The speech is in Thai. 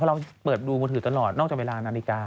เราเปิดดูมือถือตลอดนอกจากเวลานาฬิกา